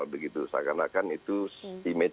seakan akan itu imetris